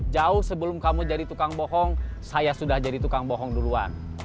jauh sebelum kamu jadi tukang bohong saya sudah jadi tukang bohong duluan